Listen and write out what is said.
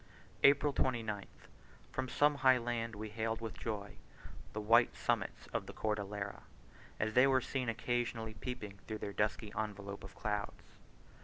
April 29th. From some high land we hailed with joy the white summits of the Cordillera, as they were seen occasionally peeping through their dusky envelope of clouds.